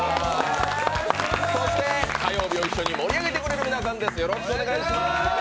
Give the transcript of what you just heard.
そして火曜日を一緒に盛り上げてくれる皆さんです。